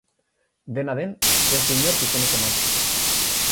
Dena den, ez du inork izenik eman.